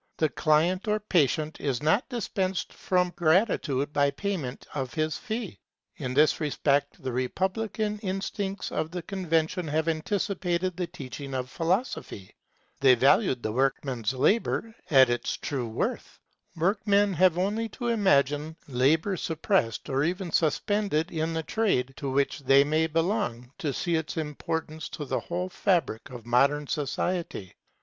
The client or patient is not dispensed from gratitude by payment of his fee. In this respect the republican instincts of the Convention have anticipated the teaching of philosophy. They valued the workman's labour at its true worth. Workmen have only to imagine labour suppressed or even suspended in the trade to which they may belong, to see its importance to the whole fabric of modern society.